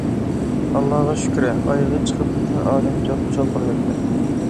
ئاللاغا شۈكرى ئايىغى چىقىپ بىزنى ئالەمچە خۇشال قىلىۋەتتى.